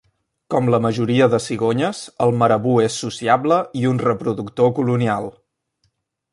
Com la majoria de cigonyes, el marabú és sociable i un reproductor colonial.